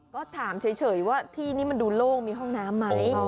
ก็ถามเฉยว่าที่นี่มันดูโล่งมีห้องน้ำไหม